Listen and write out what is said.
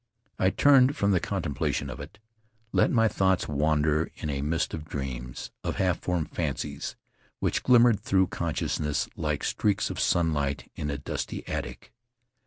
I turned from the contemplation of it; let my thoughts wander in a mist of dreams, of half formed fancies which glimmered through consciousness like streaks of sunlight in a dusty attic.